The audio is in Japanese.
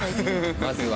まずは。